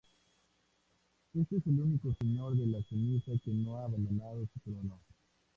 Este es el único Señor de la Ceniza que no ha abandonado su trono.